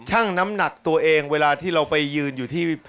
่งน้ำหนักตัวเองเวลาที่เราไปยืนอยู่ที่